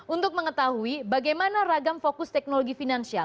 untuk mengetahui bagaimana ragam fokus teknologi finansial